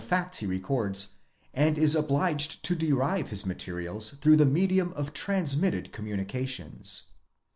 facts he records, and is obliged to derive his materials through the medium of transmitted communications.